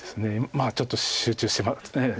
まあちょっと集中してます。